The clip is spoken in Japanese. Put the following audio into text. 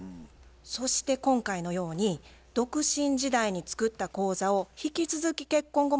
そして今回のように独身時代に作った口座を引き続き結婚後も使う場合